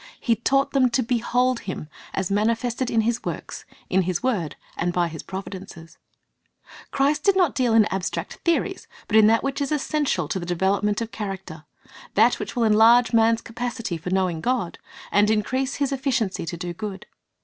He taught them to behold Him as manifested in His works, in His word, and by His providences. back to the fold: Christ did not deal in abstract theories, but in that which is essential to the development of character, that which will enlarge man's capacity for knowing God, and increase his efficiency to do good.